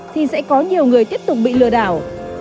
thì sẽ có nhiều người tiếp tục bị lừa đảo